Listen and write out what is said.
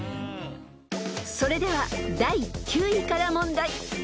［それでは第９位から問題］